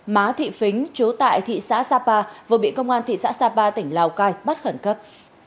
má thịnh chú tại thị xã sapa vừa bị công an thị xã sapa tỉnh lào cai bắt khẩn cấp